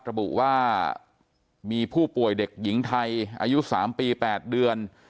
ระบุว่ามีผู้ป่วยเด็กหญิงไทยอายุ๓ปี๘เดือน